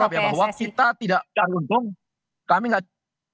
kalau kita tidak cari untung kami nggak